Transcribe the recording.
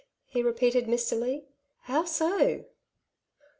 '' he repeated mistily. '' How so